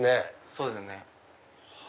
そうですね。